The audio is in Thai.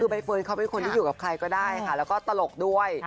ใบเฟิร์นเขาเป็นคนที่อยู่กับใครก็ได้ค่ะแล้วก็ตลกด้วย